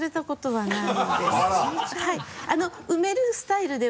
はい。